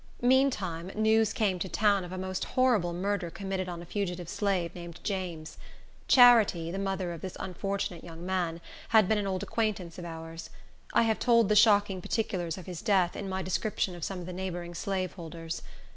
Meantime, news came to town of a most horrible murder committed on a fugitive slave, named James. Charity, the mother of this unfortunate young man, had been an old acquaintance of ours. I have told the shocking particulars of his death, in my description of some of the neighboring slaveholders.